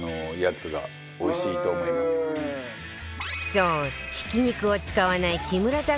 そうひき肉を使わない木村拓哉